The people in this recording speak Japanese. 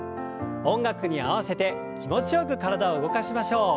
音楽に合わせて気持ちよく体を動かしましょう。